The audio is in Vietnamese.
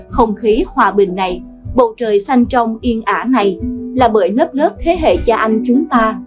không khí hòa bình này bầu trời xanh trong yên ả này là bởi lớp lớp thế hệ cha anh chúng ta